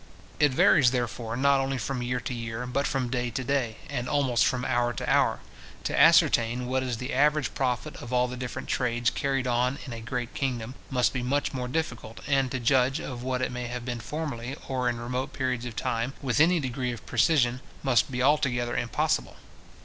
It varies, therefore, not only from year to year, but from day to day, and almost from hour to hour. To ascertain what is the average profit of all the different trades carried on in a great kingdom, must be much more difficult; and to judge of what it may have been formerly, or in remote periods of time, with any degree of precision, must be altogether impossible.